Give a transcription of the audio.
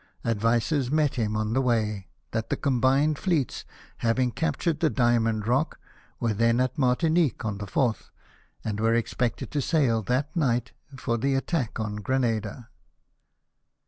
Advices met him on the way that the combined fleets, having captured the Diamond Rock, were then at Martinique on the 4th, and were expected to sail that night for the attack of Granada.